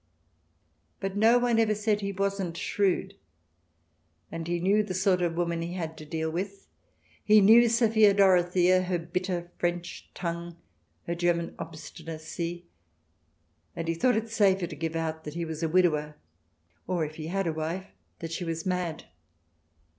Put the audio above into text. But no one ever said he wasn't shrewd, and he knew the sort of woman he had to deal with. He knew Sophia Dorothea, her bitter French tongue, her German obstinacy, and he thought it safer to give out that he was a widower, or, if he had a wife, that she was mad.